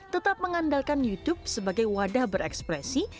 tetap mengandalkan youtube sebagai wadah berekspresi